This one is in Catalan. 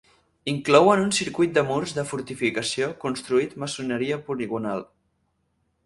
Inclouen un circuit de murs de fortificació construït maçoneria poligonal.